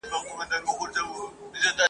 او انساني خېل ته د دې جذبې